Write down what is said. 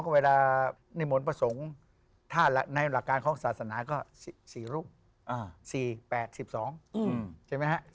มนต์ประสงค์ภาพในหลักการเค้าสาธินาก็สี่รุ่น